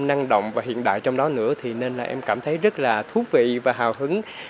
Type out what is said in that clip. năng động và hiện đại trong đó nữa thì nên là em cảm thấy rất là thú vị và hào hứng